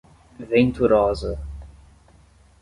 Venturosa